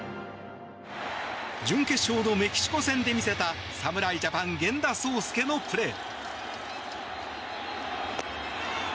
準決勝のメキシコ戦で見せた侍ジャパンの源田壮亮のプレー。